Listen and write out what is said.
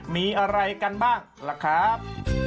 มีอะไรกันบ้างล่ะครับ